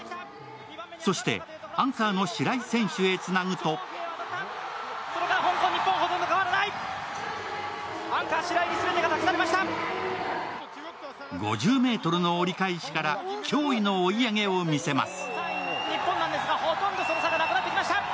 そしてアンカーの白井選手へつなげると５０ｍの折り返しから驚異の追い上げを見せます。